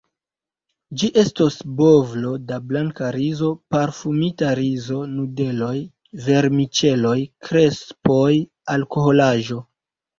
Ĝi estos bovlo da blanka rizo, parfumita rizo, nudeloj, vermiĉeloj, krespoj, alkoholaĵo.